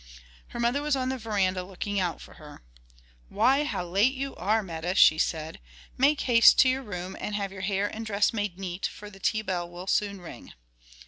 Her mother was on the veranda looking out for her. "Why, how late you are, Meta," she said. "Make haste to your room and have your hair and dress made neat; for the tea bell will soon ring."